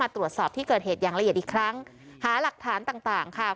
ตรวจสอบที่เกิดเหตุอย่างละเอียดอีกครั้งหาหลักฐานต่างค่ะ